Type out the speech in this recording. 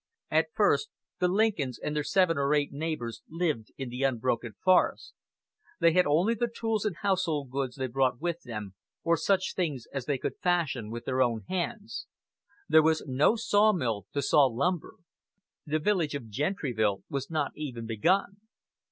At first the Lincolns and their seven or eight neighbors lived in the unbroken forest. They had only the tools and household goods they brought with them, or such things as they could fashion with their own hands. There was no sawmill to saw lumber. The village of Gentryville was not even begun.